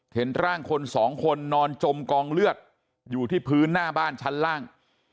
เห็นร่างคนสองคนนอนจมกองเลือดอยู่ที่พื้นหน้าบ้านชั้นล่าง